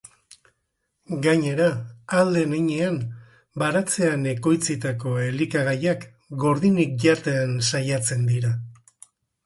Gainera, ahal den heinean, baratzean ekoitzitako elikagaiak gordinik jaten saiatzen dira.